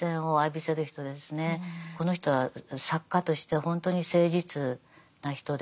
この人は作家としてほんとに誠実な人で。